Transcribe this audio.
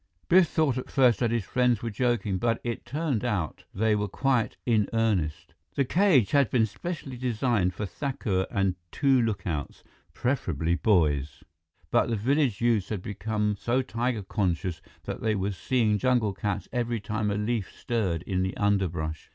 Biff thought at first that his friends were joking, but it turned out they were quite in earnest. The cage had been specially designed for Thakur and two lookouts, preferably boys. But the village youths had become so tiger conscious that they were seeing jungle cats every time a leaf stirred in the underbrush.